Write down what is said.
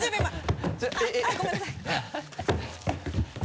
あっごめんなさい。